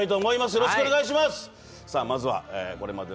よろしくお願いします。